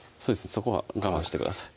そこは我慢してください